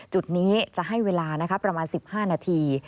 จุดนี้จะให้เวลาประมาณ๑๕นาที